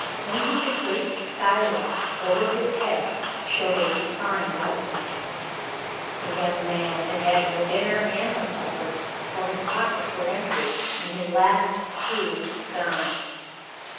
Only the great skylight over his head showed a defined outline. The young man had had no dinner and no supper, for his pockets were empty and his last sou gone.